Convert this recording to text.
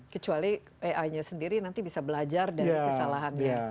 kecuali ai nya sendiri nanti bisa belajar dari kesalahannya